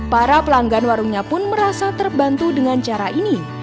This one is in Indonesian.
para pelanggan warungnya pun merasa terbantu dengan cara ini